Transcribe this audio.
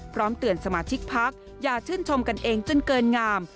พร้อมเตือนสมาชิกพักอย่าชื่นชมกันเองจนเกินงาม